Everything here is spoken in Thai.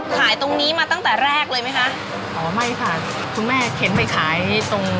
ขายตรงนี้มาตั้งแต่แรกเลยไหมคะอ๋อไม่ค่ะคุณแม่เข็นไปขายตรง